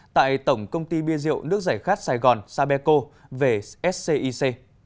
tại tổng công ty bia rượu nước giải khát sài gòn sapeco về scic